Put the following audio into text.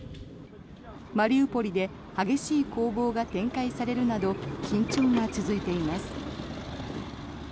マリウポリで激しい攻防が展開されるなど緊張が続いています。